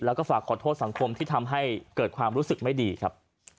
แล้วก็ฝากขอโทษสังคมที่ทำให้เกิดความรู้สึกไม่ดีครับ